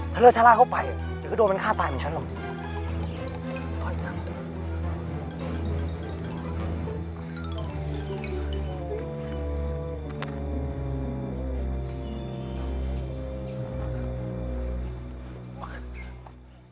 ถ้าเลิศชะล่าเข้าไปเดี๋ยวก็โดนมันฆ่าตายเหมือนฉันหรอก